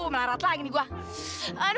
melarat lagi nih gue